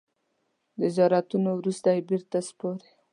د زیارتونو وروسته یې بېرته سپاري.